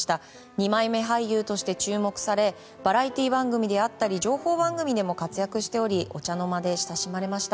二枚目俳優として注目されバラエティー番組や情報番組でも活躍しておりお茶の間で親しまれました。